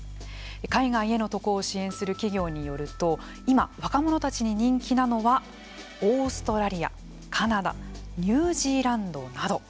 海外への渡航を支援する企業によると今、若者たちに人気なのはオーストラリア、カナダニュージーランドなど。